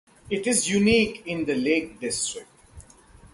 It is unique in the Lake District.